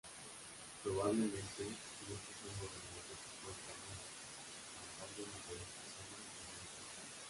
Probablemente muchos son gobernantes coetáneos mandando en diferentes zonas del Delta.